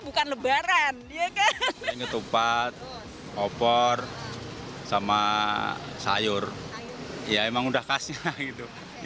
bukan lebaran ya kan ketupat opor sama sayur ya emang udah kasih lagi tuh